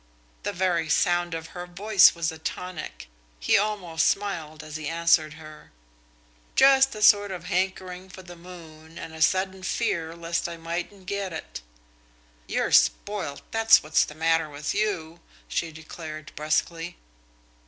The very sound of her voice was a tonic. He almost smiled as he answered her. "Just a sort of hankering for the moon and a sudden fear lest I mightn't get it." "You're spoilt, that's what's the matter with you," she declared brusquely.